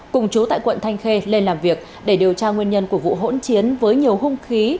cùng chú tại quận thanh khê lên làm việc để điều tra nguyên nhân của vụ hỗn chiến với nhiều hung khí